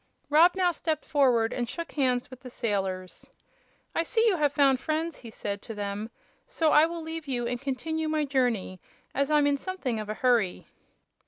Rob now stepped forward and shook hands with the sailors. "I see you have found friends," he said to them, "so I will leave you and continue my journey, as I'm in something of a hurry."